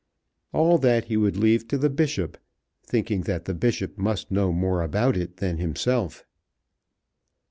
All that he would leave to the Bishop, thinking that the Bishop must know more about it than himself.